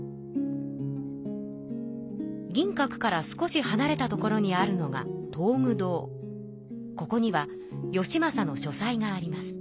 銀閣から少しはなれた所にあるのがここには義政の書さいがあります。